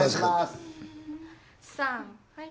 さんはい。